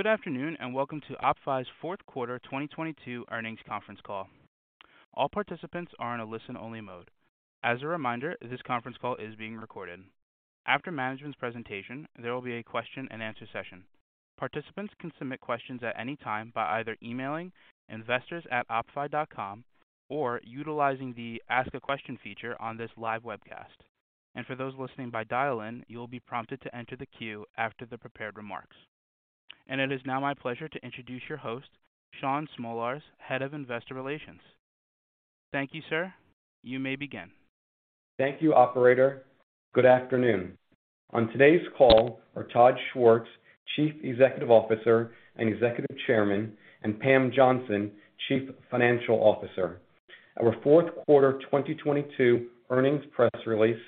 Good afternoon, welcome to OppFi's fourth quarter 2022 earnings conference call. All participants are in a listen-only mode. As a reminder, this conference call is being recorded. After management's presentation, there will be a question-and-answer session. Participants can submit questions at any time by either emailing investors@oppfi.com or utilizing the Ask a Question feature on this live webcast. For those listening by dial-in, you will be prompted to enter the queue after the prepared remarks. It is now my pleasure to introduce your host, Shaun Smolarz, Head of Investor Relations. Thank you, sir. You may begin. Thank you, operator. Good afternoon. On today's call are Todd Schwartz, Chief Executive Officer and Executive Chairman, and Pam Johnson, Chief Financial Officer. Our fourth quarter 2022 earnings press release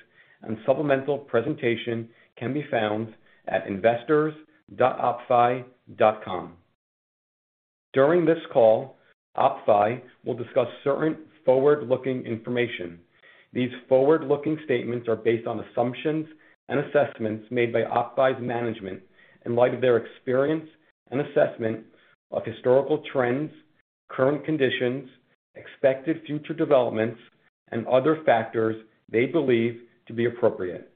and supplemental presentation can be found at investors.oppfi.com. During this call, OppFi will discuss certain forward-looking information. These forward-looking statements are based on assumptions and assessments made by OppFi's management in light of their experience and assessment of historical trends, current conditions, expected future developments, and other factors they believe to be appropriate.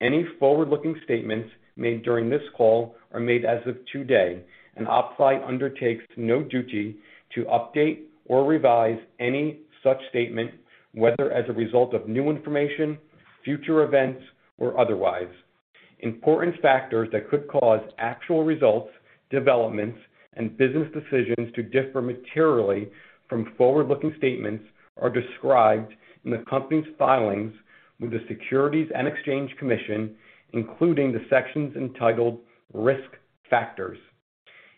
Any forward-looking statements made during this call are made as of today, and OppFi undertakes no duty to update or revise any such statement, whether as a result of new information, future events, or otherwise. Important factors that could cause actual results, developments, and business decisions to differ materially from forward-looking statements are described in the company's filings with the Securities and Exchange Commission, including the sections entitled Risk Factors.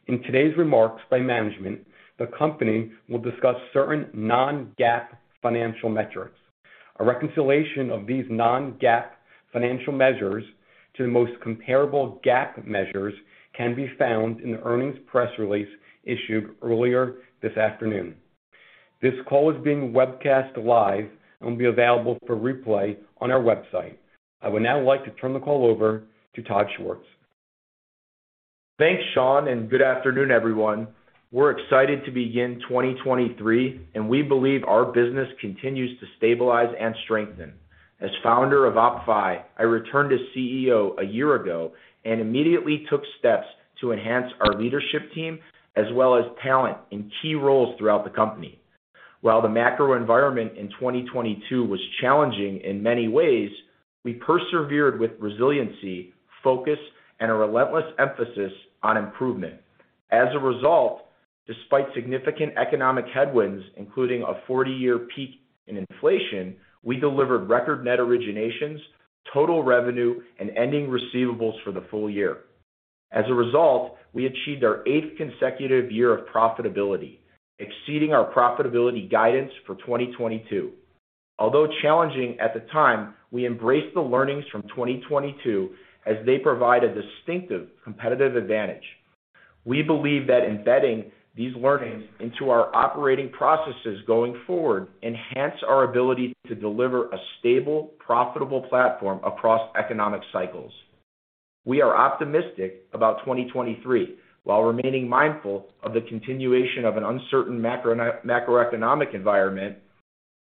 In today's remarks by management, the company will discuss certain non-GAAP financial metrics. A reconciliation of these non-GAAP financial measures to the most comparable GAAP measures can be found in the earnings press release issued earlier this afternoon. This call is being webcast live and will be available for replay on our website. I would now like to turn the call over to Todd Schwartz. Thanks, Shaun. Good afternoon, everyone. We're excited to begin 2023, and we believe our business continues to stabilize and strengthen. As founder of OppFi, I returned as CEO a year ago and immediately took steps to enhance our leadership team as well as talent in key roles throughout the company. While the macro environment in 2022 was challenging in many ways, we persevered with resiliency, focus, and a relentless emphasis on improvement. As a result, despite significant economic headwinds, including a 40-year peak in inflation, we delivered record net originations, total revenue, and ending receivables for the full year. As a result, we achieved our eighth consecutive year of profitability, exceeding our profitability guidance for 2022. Although challenging at the time, we embrace the learnings from 2022 as they provide a distinctive competitive advantage. We believe that embedding these learnings into our operating processes going forward enhance our ability to deliver a stable, profitable platform across economic cycles. We are optimistic about 2023. While remaining mindful of the continuation of an uncertain macroeconomic environment,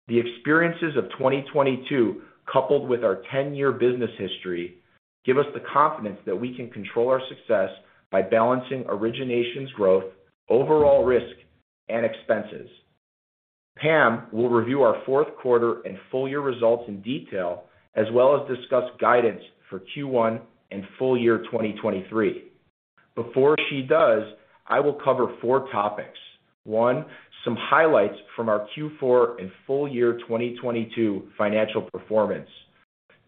the experiences of 2022, coupled with our 10-year business history, give us the confidence that we can control our success by balancing originations growth, overall risk, and expenses. Pam will review our fourth quarter and full year results in detail, as well as discuss guidance for Q1 and full year 2023. Before she does, I will cover four topics. One, some highlights from our Q4 and full-year 2022 financial performance.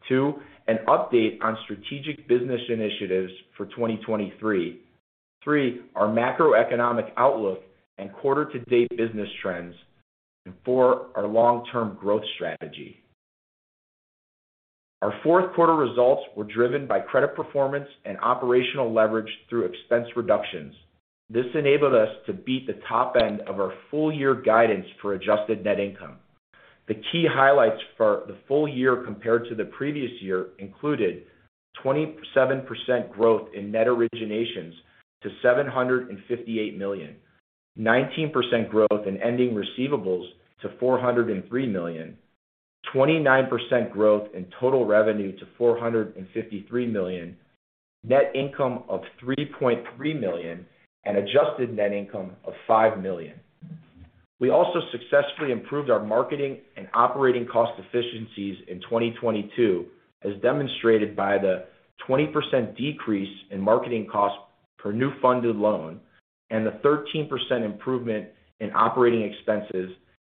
Two, an update on strategic business initiatives for 2023. Three, our macroeconomic outlook and quarter-to-date business trends. Four, our long-term growth strategy. Our fourth quarter results were driven by credit performance and operational leverage through expense reductions. This enabled us to beat the top end of our full-year guidance for adjusted net income. The key highlights for the full year compared to the previous year included 27% growth in net originations to $758 million. 19% growth in ending receivables to $403 million. 29% growth in total revenue to $453 million. Net income of $3.3 million, and adjusted net income of $5 million. We also successfully improved our marketing and operating cost efficiencies in 2022, as demonstrated by the 20% decrease in marketing costs per new funded loan and the 13% improvement in operating expenses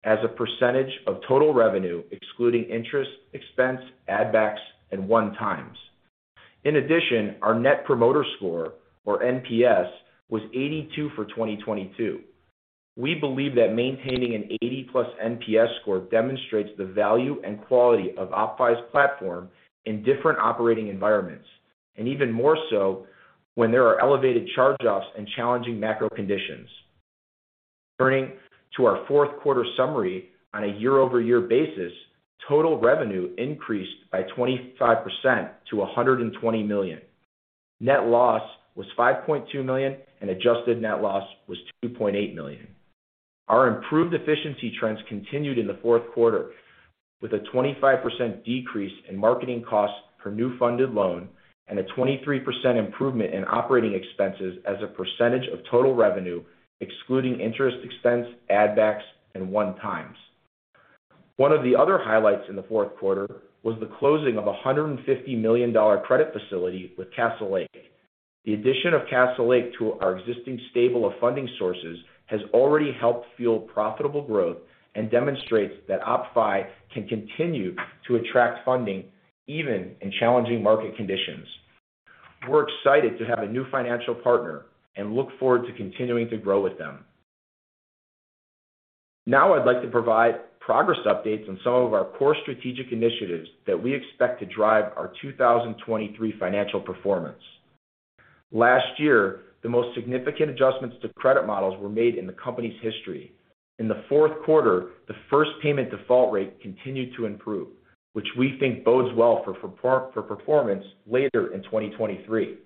as a percentage of total revenue, excluding interest, expense, add-backs, and one times. Our Net Promoter Score, or NPS, was 82 for 2022. We believe that maintaining an 80+ NPS score demonstrates the value and quality of OppFi's platform in different operating environments, and even more so when there are elevated charge-offs and challenging macro conditions. Turning to our fourth quarter summary on a year-over-year basis, total revenue increased by 25% to $120 million. Net loss was $5.2 million, and adjusted net loss was $2.8 million. Our improved efficiency trends continued in the fourth quarter with a 25% decrease in marketing costs per new funded loan and a 23% improvement in operating expenses as a percentage of total revenue, excluding interest expense, add-backs, and one-times. One of the other highlights in the fourth quarter was the closing of a $150 million dollar credit facility with Castlelake. The addition of Castlelake to our existing stable of funding sources has already helped fuel profitable growth and demonstrates that OppFi can continue to attract funding even in challenging market conditions. We're excited to have a new financial partner and look forward to continuing to grow with them. I'd like to provide progress updates on some of our core strategic initiatives that we expect to drive our 2023 financial performance. Last year, the most significant adjustments to credit models were made in the company's history. In the fourth quarter, the first payment default rate continued to improve, which we think bodes well for performance later in 2023.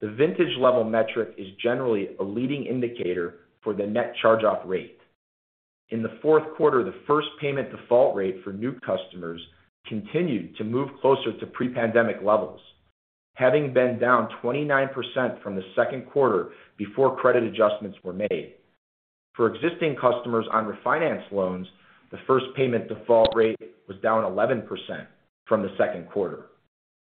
The vintage-level metric is generally a leading indicator for the net charge-off rate. In the fourth quarter, the first payment default rate for new customers continued to move closer to pre-pandemic levels, having been down 29% from the second quarter before credit adjustments were made. For existing customers on refinance loans, the first payment default rate was down 11% from the second quarter.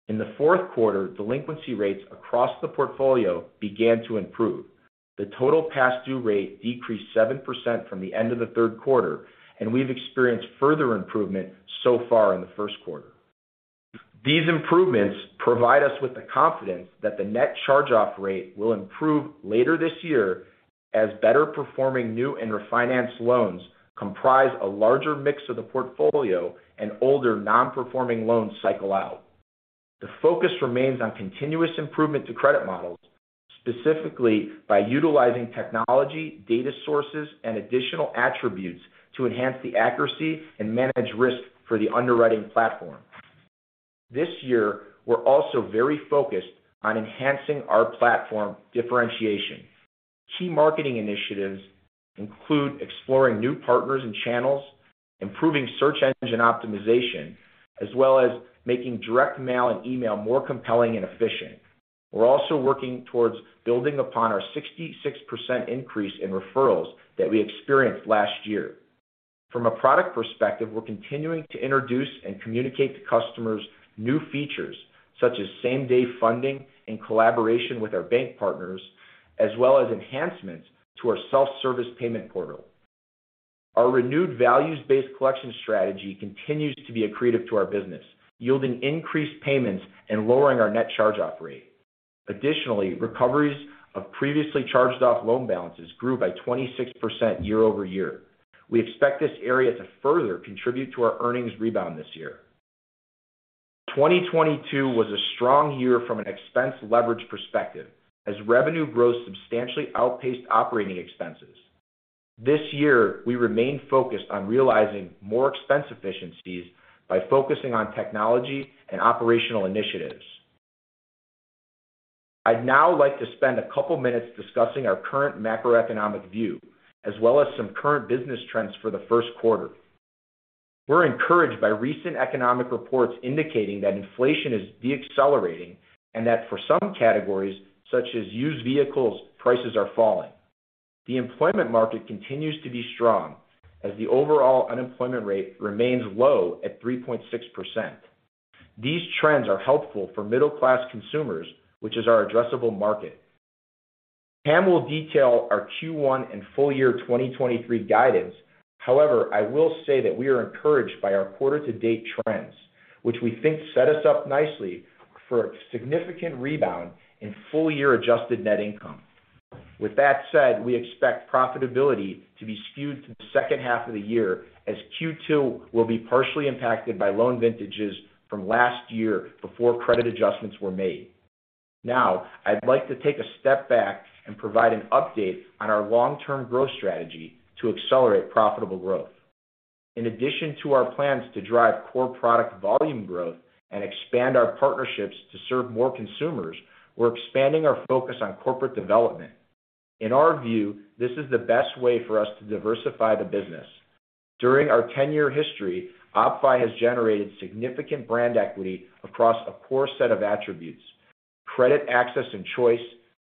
In the fourth quarter, delinquency rates across the portfolio began to improve. The total past due rate decreased 7% from the end of the third quarter. We've experienced further improvement so far in the first quarter. These improvements provide us with the confidence that the net charge-off rate will improve later this year as better-performing new and refinance loans comprise a larger mix of the portfolio and older non-performing loans cycle out. The focus remains on continuous improvement to credit models, specifically by utilizing technology, data sources, and additional attributes to enhance the accuracy and manage risk for the underwriting platform. This year, we're also very focused on enhancing our platform differentiation. Key marketing initiatives include exploring new partners and channels, improving search engine optimization, as well as making direct mail and email more compelling and efficient. We're also working towards building upon our 66% increase in referrals that we experienced last year. From a product perspective, we're continuing to introduce and communicate to customers new features such as same-day funding in collaboration with our bank partners, as well as enhancements to our self-service payment portal. Our renewed values-based collection strategy continues to be accretive to our business, yielding increased payments and lowering our net charge-off rate. Additionally, recoveries of previously charged-off loan balances grew by 26% year-over-year. We expect this area to further contribute to our earnings rebound this year. 2022 was a strong year from an expense leverage perspective as revenue growth substantially outpaced operating expenses. This year, we remain focused on realizing more expense efficiencies by focusing on technology and operational initiatives. I'd now like to spend a couple minutes discussing our current macroeconomic view, as well as some current business trends for the first quarter. We're encouraged by recent economic reports indicating that inflation is deaccelerating and that for some categories, such as used vehicles, prices are falling. The employment market continues to be strong as the overall unemployment rate remains low at 3.6%. These trends are helpful for middle-class consumers, which is our addressable market. Pam will detail our Q1 and full year 2023 guidance. However, I will say that we are encouraged by our quarter-to-date trends, which we think set us up nicely for a significant rebound in full-year adjusted net income. With that said, we expect profitability to be skewed to the second half of the year, as Q2 will be partially impacted by loan vintages from last year before credit adjustments were made. Now, I'd like to take a step back and provide an update on our long-term growth strategy to accelerate profitable growth. In addition to our plans to drive core product volume growth and expand our partnerships to serve more consumers, we're expanding our focus on corporate development. In our view, this is the best way for us to diversify the business. During our 10-year history, OppFi has generated significant brand equity across a core set of attributes: credit access and choice,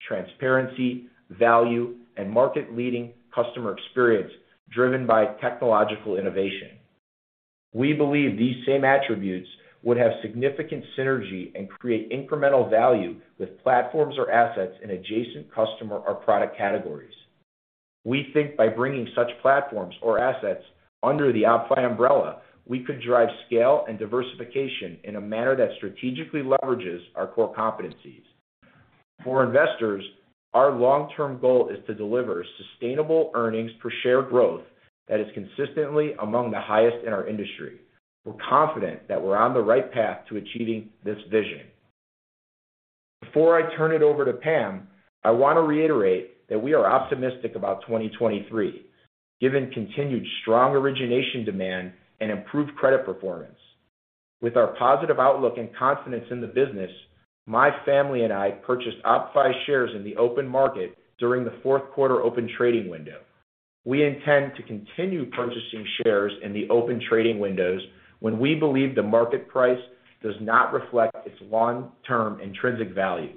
transparency, value, and market-leading customer experience driven by technological innovation. We believe these same attributes would have significant synergy and create incremental value with platforms or assets in adjacent customer or product categories. We think by bringing such platforms or assets under the OppFi umbrella, we could drive scale and diversification in a manner that strategically leverages our core competencies. For investors, our long-term goal is to deliver sustainable earnings per share growth that is consistently among the highest in our industry. We're confident that we're on the right path to achieving this vision. Before I turn it over to Pam, I want to reiterate that we are optimistic about 2023, given continued strong origination demand and improved credit performance. With our positive outlook and confidence in the business, my family and I purchased OppFi shares in the open market during the fourth quarter open trading window. We intend to continue purchasing shares in the open trading windows when we believe the market price does not reflect its long-term intrinsic value.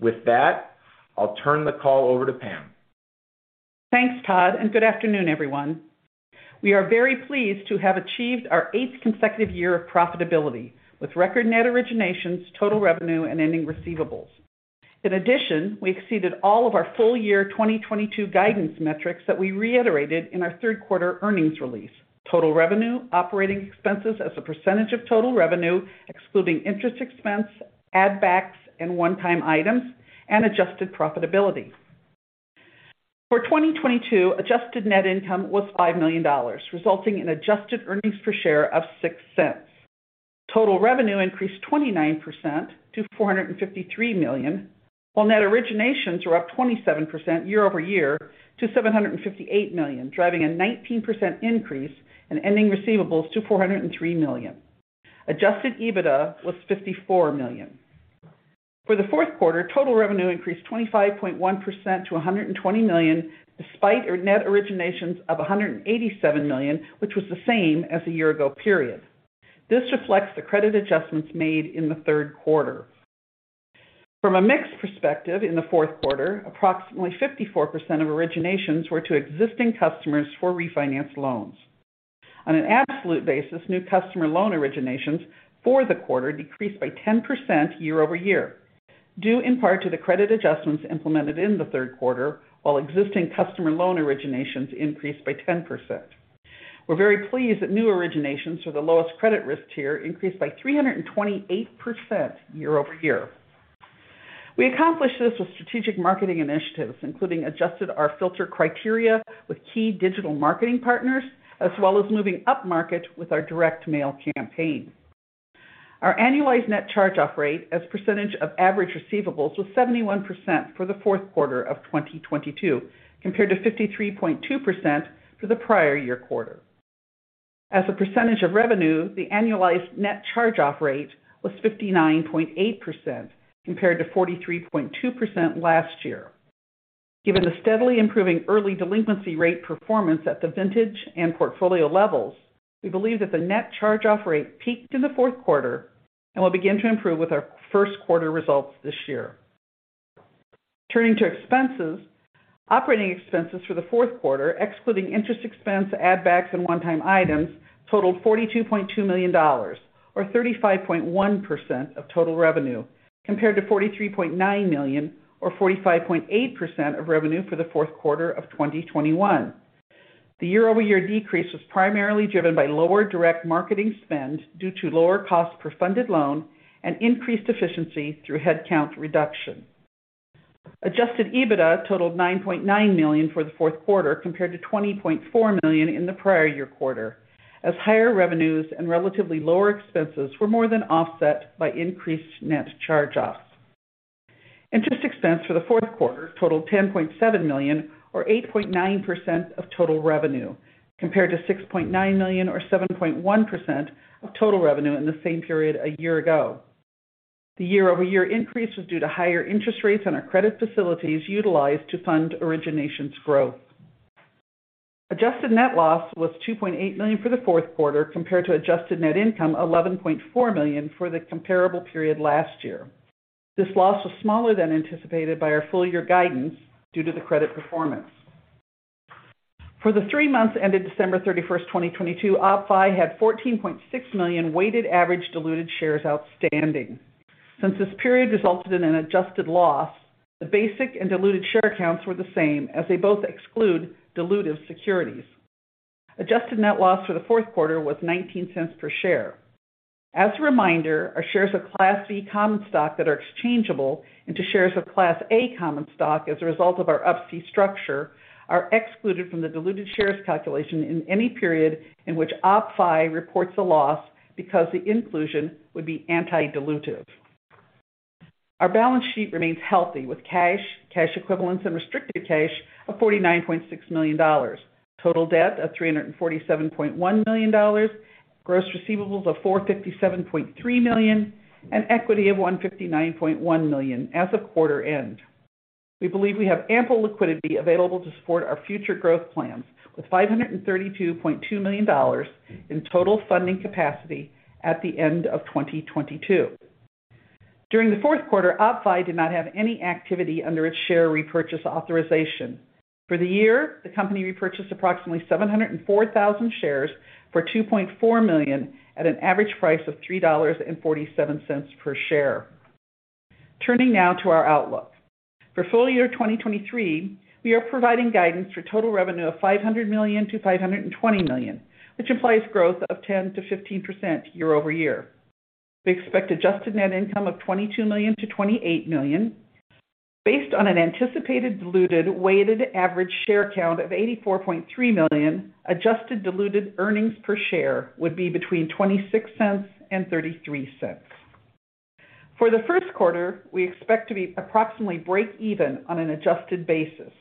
With that, I'll turn the call over to Pam. Thanks, Todd. Good afternoon, everyone. We are very pleased to have achieved our eighth consecutive year of profitability with record net originations, total revenue and ending receivables. In addition, we exceeded all of our full year 2022 guidance metrics that we reiterated in our third quarter earnings release. Total revenue, operating expenses as a percentage of total revenue, excluding interest expense, add-backs and one-time items, and adjusted profitability. For 2022, adjusted net income was $5 million, resulting in adjusted earnings per share of $0.06. Total revenue increased 29% to $453 million, while net originations were up 27% year-over-year to $758 million, driving a 19% increase in ending receivables to $403 million. Adjusted EBITDA was $54 million. For the fourth quarter, total revenue increased 25.1% to $120 million, despite net originations of $187 million, which was the same as the year-ago period. This reflects the credit adjustments made in the third quarter. From a mix perspective in the fourth quarter, approximately 54% of originations were to existing customers for refinance loans. On an absolute basis, new customer loan originations for the quarter decreased by 10% year-over-year, due in part to the credit adjustments implemented in the third quarter, while existing customer loan originations increased by 10%. We're very pleased that new originations for the lowest credit risk tier increased by 328% year-over-year. We accomplished this with strategic marketing initiatives, including adjusted our filter criteria with key digital marketing partners, as well as moving upmarket with our direct mail campaign. Our annualized net charge-off rate as percentage of average receivables was 71% for the fourth quarter of 2022, compared to 53.2% for the prior year quarter. As a percentage of revenue, the annualized net charge-off rate was 59.8% compared to 43.2% last year. Given the steadily improving early delinquency rate performance at the vintage and portfolio levels, we believe that the net charge-off rate peaked in the fourth quarter and will begin to improve with our first quarter results this year. Turning to expenses. Operating expenses for the fourth quarter, excluding interest expense, add-backs and one-time items, totaled $42.2 million or 35.1% of total revenue, compared to $43.9 million or 45.8% of revenue for the fourth quarter of 2021. The year-over-year decrease was primarily driven by lower direct marketing spend due to lower cost per funded loan and increased efficiency through headcount reduction. Adjusted EBITDA totaled $9.9 million for the fourth quarter, compared to $20.4 million in the prior year quarter, as higher revenues and relatively lower expenses were more than offset by increased net charge-offs. Interest expense for the fourth quarter totaled $10.7 million or 8.9% of total revenue, compared to $6.9 million or 7.1% of total revenue in the same period a year ago. The year-over-year increase was due to higher interest rates on our credit facilities utilized to fund originations growth. Adjusted net loss was $2.8 million for the fourth quarter, compared to adjusted net income $11.4 million for the comparable period last year. This loss was smaller than anticipated by our full year guidance due to the credit performance. For the three months ended December 31st, 2022, OppFi had 14.6 million weighted average diluted shares outstanding. Since this period resulted in an adjusted loss, the basic and diluted share counts were the same as they both exclude dilutive securities. Adjusted net loss for the fourth quarter was $0.19 per share. As a reminder, our shares of Class V common stock that are exchangeable into shares of Class A common stock as a result of our Up-C structure are excluded from the diluted shares calculation in any period in which OppFi reports a loss because the inclusion would be anti-dilutive. Our balance sheet remains healthy with cash equivalents and restricted cash of $49.6 million. Total debt of $347.1 million. Gross receivables of $457.3 million and equity of $159.1 million as of quarter end. We believe we have ample liquidity available to support our future growth plans, with $532.2 million in total funding capacity at the end of 2022. During the fourth quarter, OppFi did not have any activity under its share repurchase authorization. For the year, the company repurchased approximately 704,000 shares for $2.4 million at an average price of $3.47 per share. Turning now to our outlook. For full year 2023, we are providing guidance for total revenue of $500 million-$520 million, which implies growth of 10%-15% year-over-year. We expect adjusted net income of $22 million-$28 million. Based on an anticipated diluted weighted average share count of 84.3 million, adjusted diluted earnings per share would be between $0.26 and $0.33. For the first quarter, we expect to be approximately break even on an adjusted basis.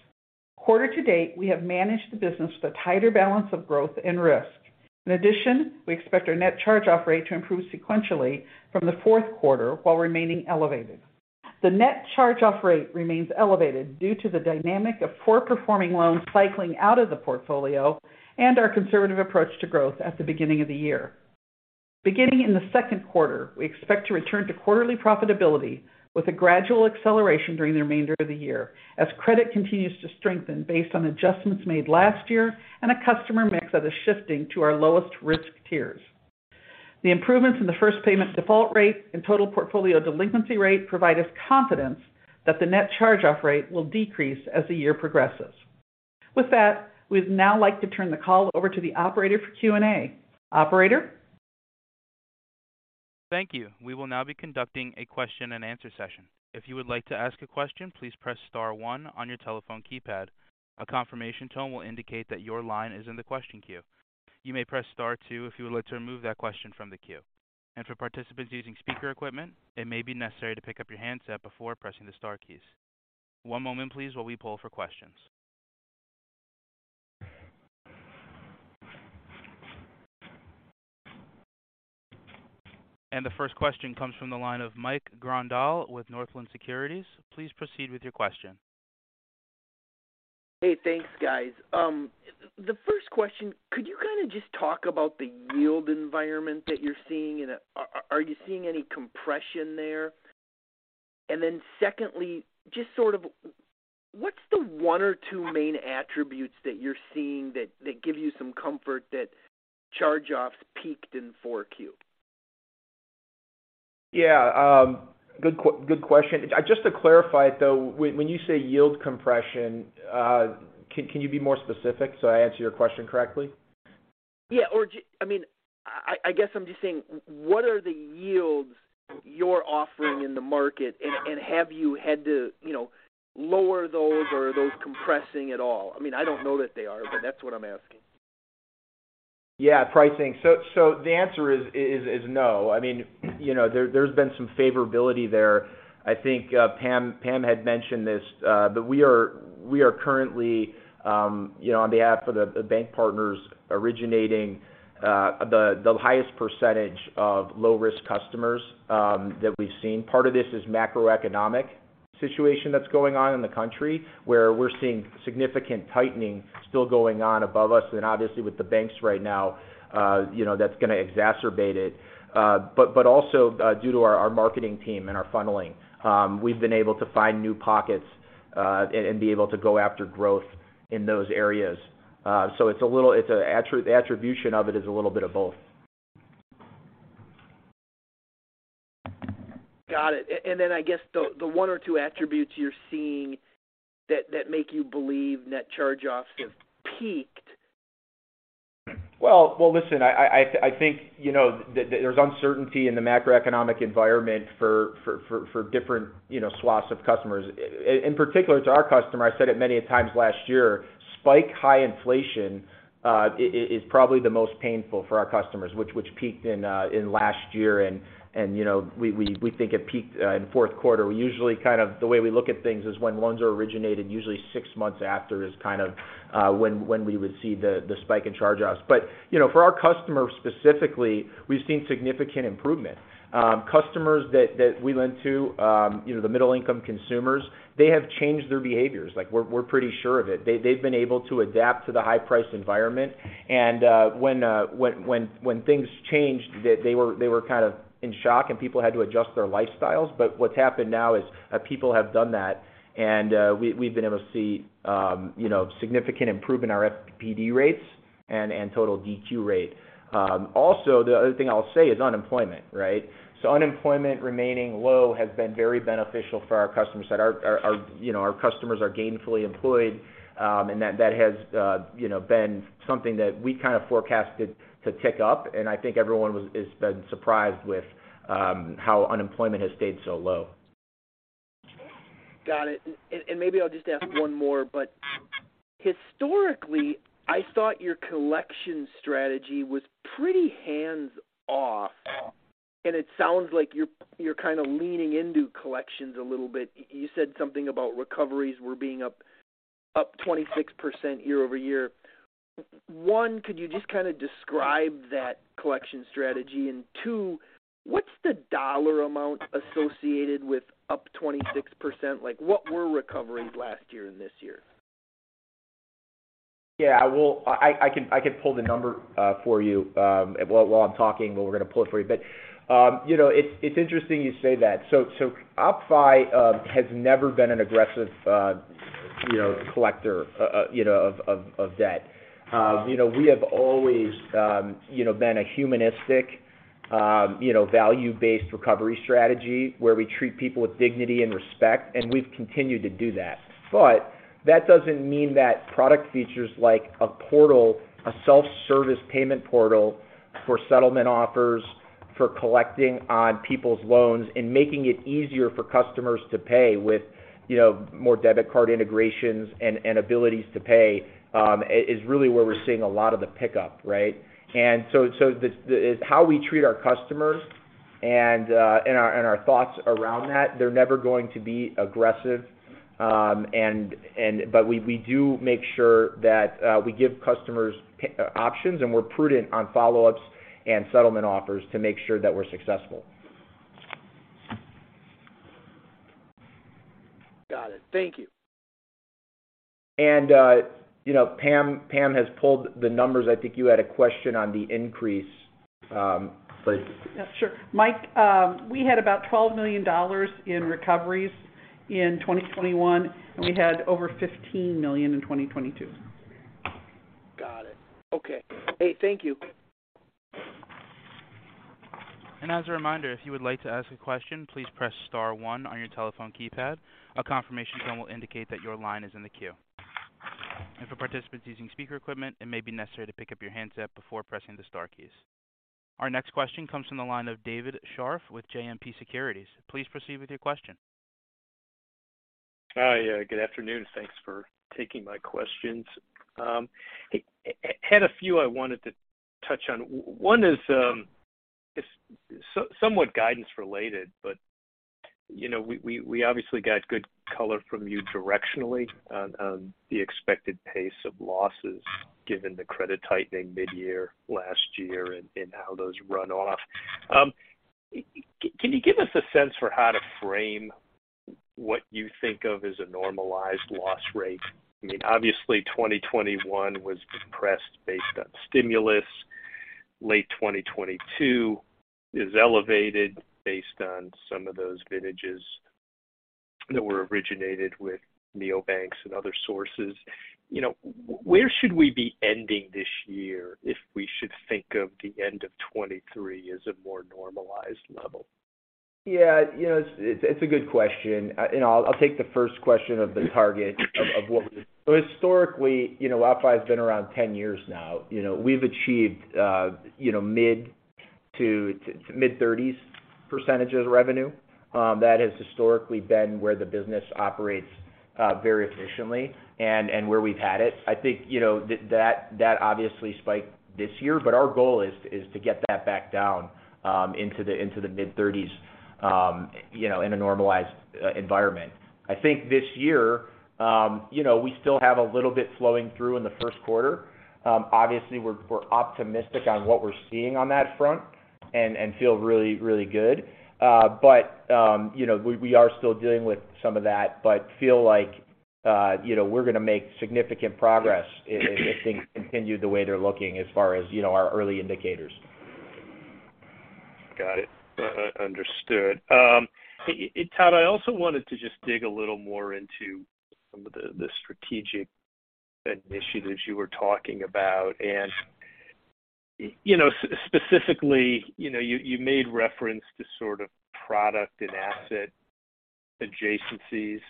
Quarter to date, we have managed the business with a tighter balance of growth and risk. In addition, we expect our net charge-off rate to improve sequentially from the fourth quarter while remaining elevated. The net charge-off rate remains elevated due to the dynamic of poor-performing loans cycling out of the portfolio and our conservative approach to growth at the beginning of the year. Beginning in the second quarter, we expect to return to quarterly profitability with a gradual acceleration during the remainder of the year as credit continues to strengthen based on adjustments made last year and a customer mix that is shifting to our lowest risk tiers. The improvements in the first payment default rate and total portfolio delinquency rate provide us confidence that the net charge-off rate will decrease as the year progresses. With that, we'd now like to turn the call over to the operator for Q&A. Operator? Thank you. We will now be conducting a question-and-answer session. If you would like to ask a question, please press star one on your telephone keypad. A confirmation tone will indicate that your line is in the question queue. You may press star two if you would like to remove that question from the queue. For participants using speaker equipment, it may be necessary to pick up your handset before pressing the star keys. One moment please while we pull for questions. The first question comes from the line of Mike Grondahl with Northland Securities. Please proceed with your question. Hey, thanks, guys. The first question, could you kind of just talk about the yield environment that you're seeing? Are you seeing any compression there? Secondly, just sort of what's the one or two main attributes that you're seeing that give you some comfort that charge-offs peaked in 4Q? Yeah, good question. Just to clarify though, when you say yield compression, can you be more specific so I answer your question correctly? Yeah. I mean, I guess I'm just saying, what are the yields you're offering in the market, and have you had to, you know, lower those or are those compressing at all? I mean, I don't know that they are, but that's what I'm asking. Yeah, pricing. The answer is no. I mean, you know, there's been some favorability there. I think Pam had mentioned this, but we are currently, you know, on behalf of the bank partners originating the highest percentage of low-risk customers that we've seen. Part of this is macroeconomic situation that's going on in the country where we're seeing significant tightening still going on above us. Obviously with the banks right now, you know, that's going to exacerbate it. But also, due to our marketing team and our funneling, we've been able to find new pockets and be able to go after growth in those areas. Attribution of it is a little bit of both. Got it. I guess the one or two attributes you're seeing that make you believe net charge-offs have peaked? Well, listen, I think, you know, that there's uncertainty in the macroeconomic environment for different, you know, swaths of customers. In particular to our customer, I said it many a times last year, spike high inflation is probably the most painful for our customers, which peaked in last year. You know, we think it peaked in fourth quarter. We usually The way we look at things is when loans are originated, usually six months after is kind of when we would see the spike in charge-offs. You know, for our customers specifically, we've seen significant improvement. Customers that we lend to, you know, the middle income consumers, they have changed their behaviors. Like we're pretty sure of it. They've been able to adapt to the high price environment when things changed, they were kind of in shock and people had to adjust their lifestyles. What's happened now is people have done that and we've been able to see, you know, significant improvement in our FPD rates and total DQ rate. Also, the other thing I'll say is unemployment, right? Unemployment remaining low has been very beneficial for our customers, that our, you know, our customers are gainfully employed, and that has, you know, been something that we kind of forecasted to tick up. I think everyone has been surprised with how unemployment has stayed so low. Got it. Maybe I'll just ask one more. Historically, I thought your collection strategy was pretty hands-off, and it sounds like you're kind of leaning into collections a little bit. You said something about recoveries were being up 26% year-over-year. One, could you just kind of describe that collection strategy? Two, what's the dollar amount associated with up 26%? Like what were recoveries last year and this year? Yeah, I will. I can pull the number for you while I'm talking, but we're going to pull it for you. You know, it's interesting you say that. So OppFi has never been an aggressive, you know, collector, you know, of debt. You know, we have always, you know, been a humanistic, you know, value-based recovery strategy where we treat people with dignity and respect, and we've continued to do that. That doesn't mean that product features like a portal, a self-service payment portal for collecting on people's loans and making it easier for customers to pay with, you know, more debit card integrations and abilities to pay, is really where we're seeing a lot of the pickup, right? It's how we treat our customers and our, and our thoughts around that, they're never going to be aggressive. We do make sure that we give customers options, and we're prudent on follow-ups and settlement offers to make sure that we're successful. Got it. Thank you. You know, Pam has pulled the numbers. I think you had a question on the increase. Please. Yeah, sure. Mike, we had about $12 million in recoveries in 2021, and we had over $15 million in 2022. Got it. Okay. Hey, thank you. As a reminder, if you would like to ask a question, please press star one on your telephone keypad. A confirmation tone will indicate that your line is in the queue. If a participant is using speaker equipment, it may be necessary to pick up your handset before pressing the star keys. Our next question comes from the line of David Scharf with JMP Securities. Please proceed with your question. Hi. Good afternoon. Thanks for taking my questions. Had a few I wanted to touch on. One is somewhat guidance related, but, you know, we obviously got good color from you directionally on the expected pace of losses given the credit tightening mid-year last year and how those run off. Can you give us a sense for how to frame what you think of as a normalized loss rate? I mean, obviously, 2021 was depressed based on stimulus. Late 2022 is elevated based on some of those vintages that were originated with neobanks and other sources. You know, where should we be ending this year if we should think of the end of 2023 as a more normalized level? Yeah, you know, it's a good question. You know, I'll take the first question of the target. Historically, you know, OppFi has been around 10 years now. You know, we've achieved, you know, mid to mid-30s percentage of revenue. That has historically been where the business operates, very efficiently and where we've had it. I think, you know, that obviously spiked this year, our goal is to get that back down, into the mid-30s, you know, in a normalized environment. I think this year, you know, we still have a little bit flowing through in the first quarter. Obviously we're optimistic on what we're seeing on that front and feel really good. You know, we are still dealing with some of that, but feel like, you know, we're gonna make significant progress if things continue the way they're looking as far as, you know, our early indicators. Got it. Understood. Todd, I also wanted to just dig a little more into some of the strategic initiatives you were talking about. You know, specifically, you know, you made reference to sort of product and asset adjacencies.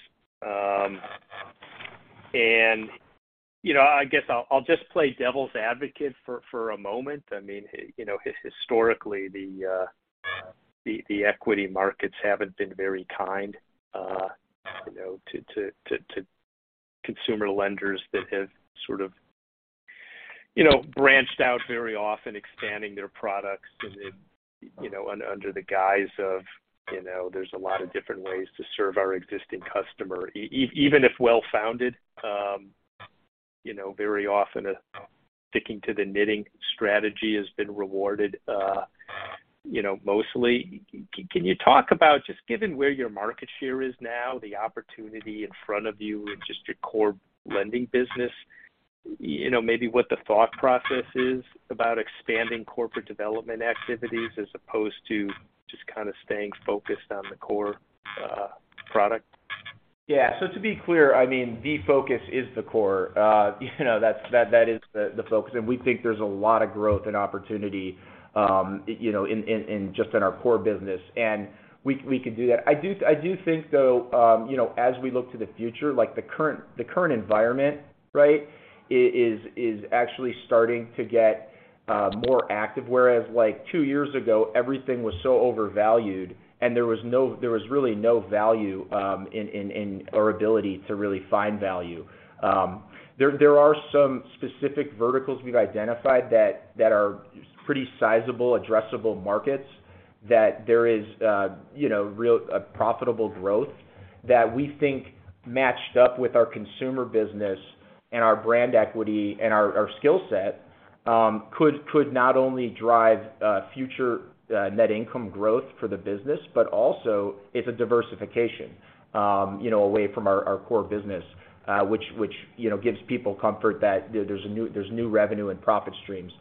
You know, I guess I'll just play devil's advocate for a moment. I mean, you know, historically, the equity markets haven't been very kind, you know, to consumer lenders that have sort of, you know, branched out very often expanding their products, you know, under the guise of, you know, there's a lot of different ways to serve our existing customer. Even if well-founded, you know, very often sticking to the knitting strategy has been rewarded, you know, mostly. Can you talk about just given where your market share is now, the opportunity in front of you with just your core lending business, you know, maybe what the thought process is about expanding corporate development activities as opposed to just kind of staying focused on the core product? Yeah. To be clear, I mean, the focus is the core. You know, that's that is the focus, and we think there's a lot of growth and opportunity, you know, just in our core business, and we can do that. I do think though, you know, as we look to the future, like the current environment, right, is actually starting to get more active, whereas like two years ago, everything was so overvalued and there was really no value, in our ability to really find value. There are some specific verticals we've identified that are pretty sizable addressable markets that there is, you know, real profitable growth that we think matched up with our consumer business and our brand equity and our skill set, could not only drive future net income growth for the business, but also it's a diversification, you know, away from our core business, which, you know, gives people comfort that there's new revenue and profit streams.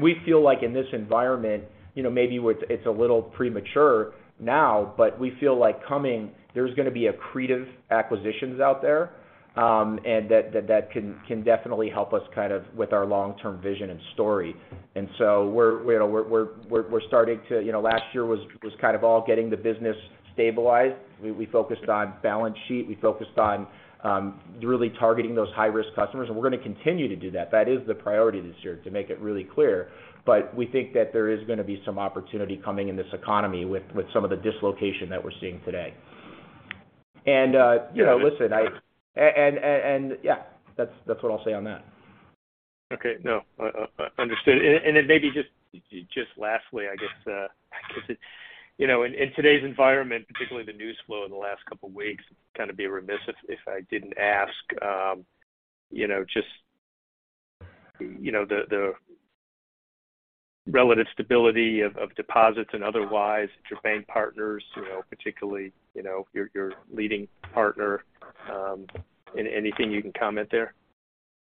We feel like in this environment, you know, maybe with it's a little premature now, but we feel like coming there's gonna be accretive acquisitions out there, and that can definitely help us kind of with our long-term vision and story. We're, you know, we're starting to, you know, last year was kind of all getting the business stabilized. We focused on balance sheet. We focused on really targeting those high-risk customers, and we're gonna continue to do that. That is the priority this year to make it really clear. We think that there is gonna be some opportunity coming in this economy with some of the dislocation that we're seeing today. You know, listen, yeah, that's what I'll say on that. Okay. No. understood. Maybe just lastly, I guess, you know, in today's environment, particularly the news flow in the last couple weeks, kind of be remiss if I didn't ask, you know, just, you know, the relative stability of deposits and otherwise your bank partners, you know, particularly, you know, your leading partner, anything you can comment there?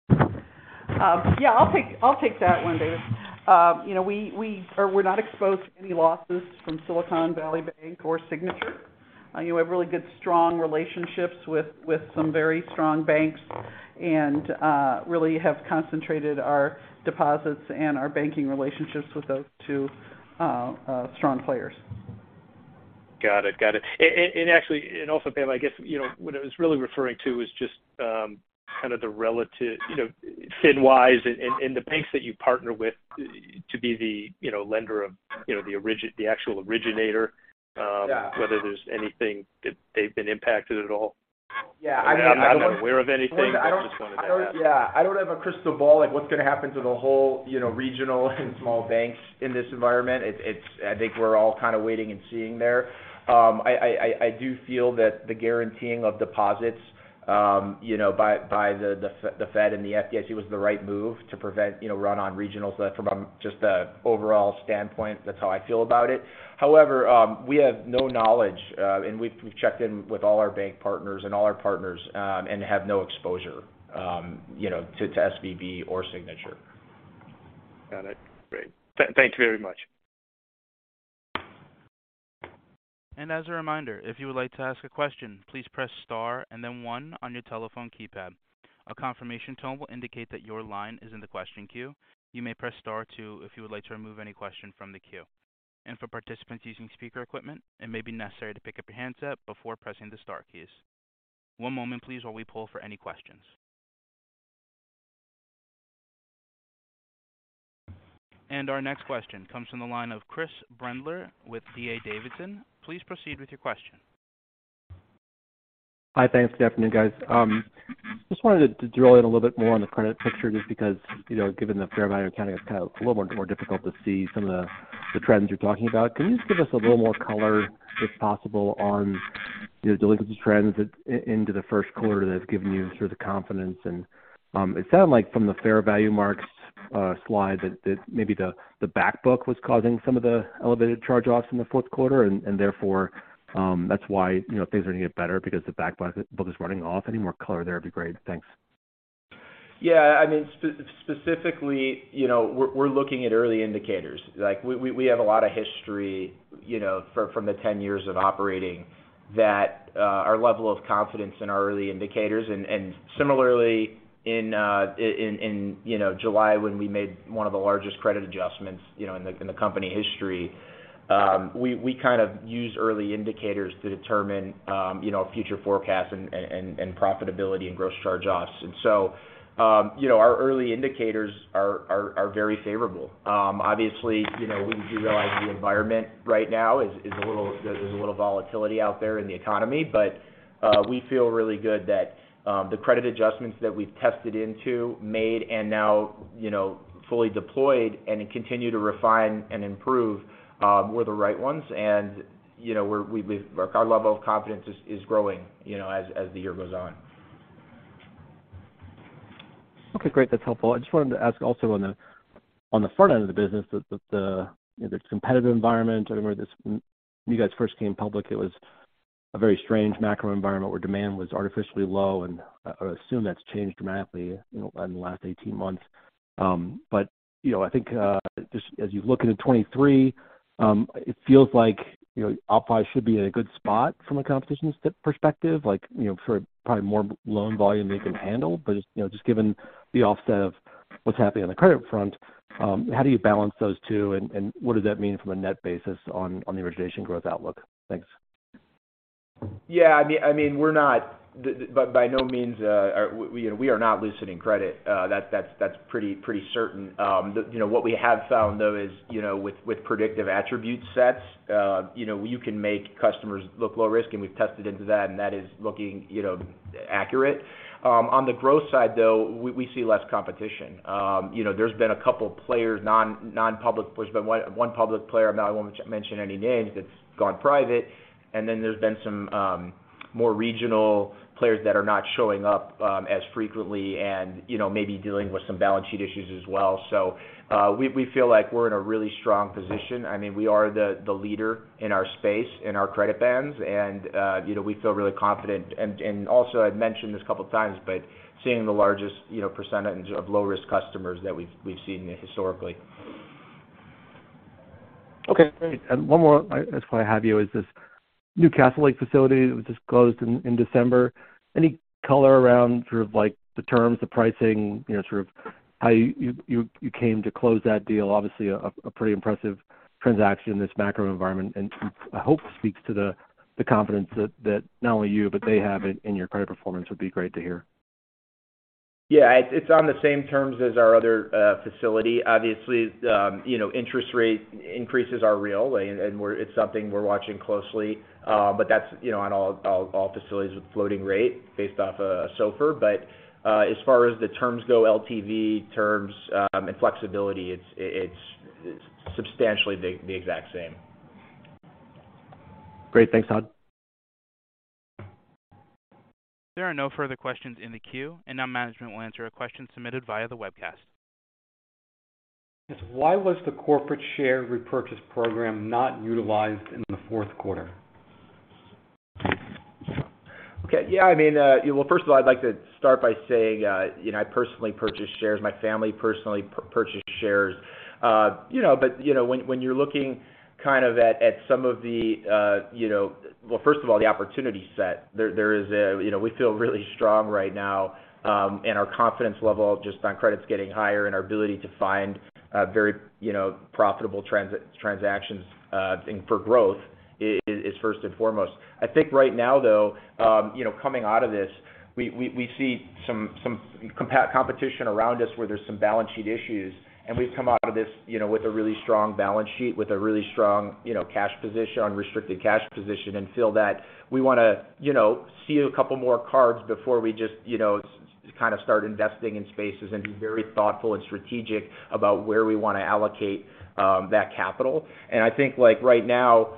Yeah, I'll take that one, David. You know, we're not exposed to any losses from Silicon Valley Bank or Signature. You have really good, strong relationships with some very strong banks and really have concentrated our deposits and our banking relationships with those two strong players. Got it. Got it. Also, Pam, I guess, you know, what I was really referring to was just, kind of the relative, you know, FinWise and the banks that you partner with to be the, you know, lender of, you know, the actual originator. Yeah. Whether there's anything that they've been impacted at all. Yeah. I mean. I'm not aware of anything. I just wanted to ask. Yeah. I don't have a crystal ball, like what's gonna happen to the whole, you know, regional and small banks in this environment. It's, I think we're all kind of waiting and seeing there. I, I do feel that the guaranteeing of deposits, you know, by the Fed and the FDIC was the right move to prevent, you know, run on regionals. From just the overall standpoint, that's how I feel about it. However, we have no knowledge, and we've checked in with all our bank partners and all our partners, and have no exposure, you know, to SVB or Signature. Got it. Great. Thanks very much. As a reminder, if you would like to ask a question, please press star and then one on your telephone keypad. A confirmation tone will indicate that your line is in the question queue. You may press star two if you would like to remove any question from the queue. For participants using speaker equipment, it may be necessary to pick up your handset before pressing the star keys. One moment, please, while we pull for any questions. Our next question comes from the line of Chris Brendler with D.A. Davidson. Please proceed with your question. Hi. Thanks. Good afternoon, guys. Just wanted to drill in a little bit more on the credit picture, just because, you know, given the fair value accounting, it's kind of a little more difficult to see some of the trends you're talking about. Can you just give us a little more color, if possible, on, you know, delinquency trends into the first quarter that have given you sort of the confidence? It sounded like from the fair value marks slide that maybe the back book was causing some of the elevated charge-offs in the fourth quarter and therefore, that's why, you know, things are getting better because the back book is running off. Any more color there would be great. Thanks. Yeah, I mean, specifically, you know, we're looking at early indicators. Like we have a lot of history, you know, from the 10 years of operating that our level of confidence in our early indicators. Similarly, in, you know, July when we made one of the largest credit adjustments, you know, in the company history, we kind of used early indicators to determine, you know, future forecasts and profitability and gross charge-offs. So, you know, our early indicators are very favorable. Obviously, you know, we do realize the environment right now there's a little volatility out there in the economy, but we feel really good that the credit adjustments that we've tested into, made, and now, you know, fully deployed and continue to refine and improve, were the right ones. You know, our level of confidence is growing, you know, as the year goes on. Okay, great. That's helpful. I just wanted to ask also on the, on the front end of the business with the, the competitive environment. I remember when you guys first came public, it was a very strange macro environment where demand was artificially low. I assume that's changed dramatically, you know, in the last 18 months. You know, I think, just as you look into 2023, it feels like, you know, OppFi should be in a good spot from a competition perspective, like, you know, for probably more loan volume they can handle. You know, just given the offset of what's happening on the credit front, how do you balance those two, and what does that mean from a net basis on the origination growth outlook? Thanks. Yeah, I mean, we're not by no means, we are not loosening credit, that's pretty certain. You know, what we have found, though, is, you know, with predictive attribute sets, you can make customers look low risk, and we've tested into that, and that is looking, you know, accurate. On the growth side, though, we see less competition. You know, there's been a couple players, non-public. There's been one public player, now I won't mention any names, that's gone private. There's been some more regional players that are not showing up as frequently, and, you know, maybe dealing with some balance sheet issues as well. We feel like we're in a really strong position. I mean, we are the leader in our space, in our credit bands, and, you know, we feel really confident. Also I've mentioned this a couple times, but seeing the largest, you know, percentage of low risk customers that we've seen historically. Okay, great. One more I have you is this Castlelake facility that was just closed in December. Any color around sort of like the terms, the pricing, you know, sort of how you came to close that deal? Obviously a pretty impressive transaction in this macro environment, and I hope speaks to the confidence that not only you, but they have in your credit performance would be great to hear. It's on the same terms as our other facility. Obviously, you know, interest rate increases are real, and it's something we're watching closely. That's, you know, on all facilities with floating rate based off SOFR. As far as the terms go, LTV terms and flexibility, it's substantially the exact same. Great. Thanks, Todd. There are no further questions in the queue. Now management will answer a question submitted via the webcast. Yes. Why was the corporate share repurchase program not utilized in the fourth quarter? Okay. Yeah, I mean, well, first of all, I'd like to start by saying, you know, I personally purchased shares. My family personally purchased shares. you know, but you know, when you're looking kind of at. Well, first of all, the opportunity set. There is a, you know, we feel really strong right now, and our confidence level just on credit's getting higher and our ability to find, very, you know, profitable transactions, and for growth is first and foremost. I think right now though, you know, coming out of this, we see some competition around us where there's some balance sheet issues, and we've come out of this, you know, with a really strong balance sheet, with a really strong, you know, cash position, unrestricted cash position, and feel that we wanna, you know, see a couple more cards before we just, you know, kind of start investing in spaces and be very thoughtful and strategic about where we wanna allocate that capital. I think, like right now, you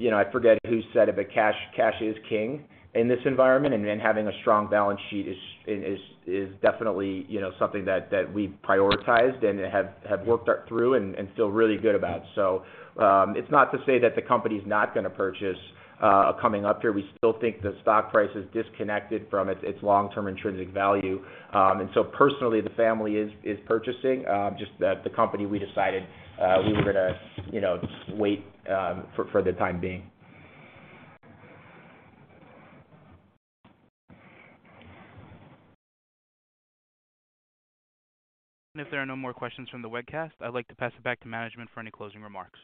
know, I forget who said it, but cash is king in this environment. Having a strong balance sheet is definitely, you know, something that we've prioritized and have worked that through and feel really good about. It's not to say that the company's not gonna purchase coming up here. We still think the stock price is disconnected from its long-term intrinsic value. Personally, the family is purchasing just the company we decided, we were gonna, you know, wait for the time being. If there are no more questions from the webcast, I'd like to pass it back to management for any closing remarks.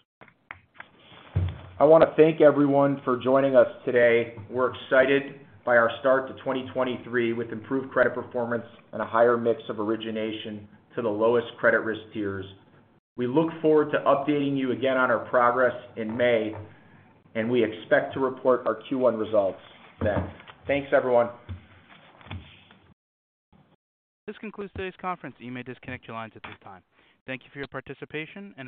I wanna thank everyone for joining us today. We're excited by our start to 2023 with improved credit performance and a higher mix of origination to the lowest credit risk tiers. We look forward to updating you again on our progress in May. We expect to report our Q1 results then. Thanks, everyone. This concludes today's conference. You may disconnect your lines at this time. Thank you for your participation.